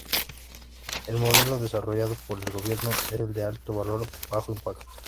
El modelo desarrollado por el gobierno es el de 'alto valor, bajo impacto'.